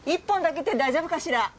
１本だけって大丈夫かしら？